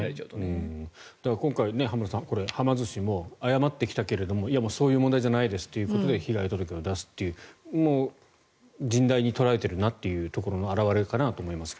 今回、浜田さんはま寿司も、謝ってきたけどもそういう問題じゃないですということで被害届を出すというもう、甚大に捉えているところの表れかと思いますが。